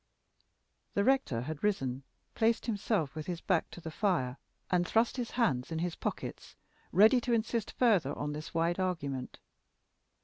The rector had risen, placed himself with his back to the fire, and thrust his hands in his pockets, ready to insist further on this wide argument.